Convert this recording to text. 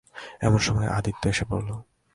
এমন সময় আদিত্য এসে পড়ল।